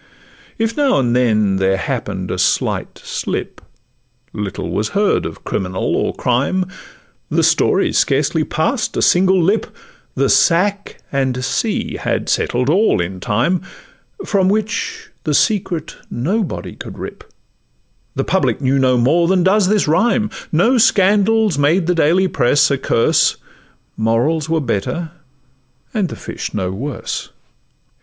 If now and then there happen'd a slight slip, Little was heard of criminal or crime; The story scarcely pass'd a single lip— The sack and sea had settled all in time, From which the secret nobody could rip: The Public knew no more than does this rhyme; No scandals made the daily press a curse— Morals were better, and the fish no worse.